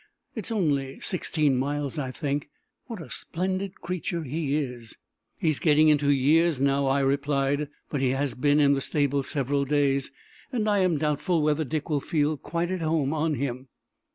It's only sixteen miles, I think. What a splendid creature he is!" "He's getting into years now," I replied; "but he has been in the stable several days, and I am doubtful whether Dick will feel quite at home on him."